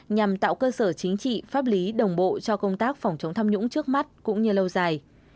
nhằm tạo cơ sở chính trị pháp lý đồng bộ cho công tác phòng chống tham nhũng trước mắt cũng như lâu dài